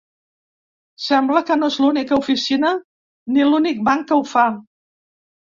Sembla que no és l’única oficina ni l’únic banc que ho fa.